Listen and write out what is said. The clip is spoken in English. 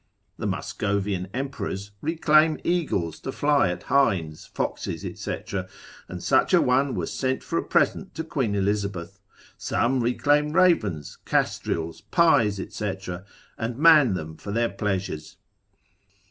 The Muscovian emperors reclaim eagles to fly at hinds, foxes, &c., and such a one was sent for a present to Queen Elizabeth: some reclaim ravens, castrils, pies, &c., and man them for their pleasures.